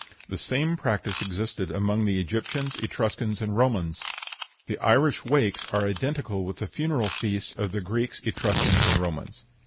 The same practice existed among the Egyptians, Etruscans, and Romans. The Irish wakes are identical with the funeral feasts of the Greeks, Etruscans, and Romans.